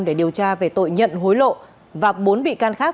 để điều tra về tội nhận hối lộ và bốn bị can khác